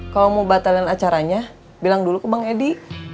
kalau mau batalin acaranya bilang dulu ke bang edi